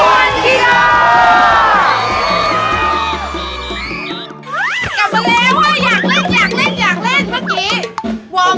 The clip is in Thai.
กลับมาแล้วแห้ง